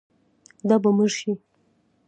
دا به مړ شي.